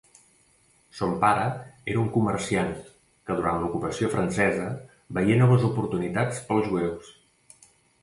Son pare era un comerciant, que durant l'ocupació francesa, veié noves oportunitats pels jueus.